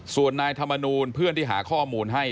ส่วนนายธรรมนูลเพื่อนที่หาข้อมูลให้